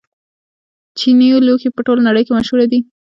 چیني لوښي په ټوله نړۍ کې مشهور دي.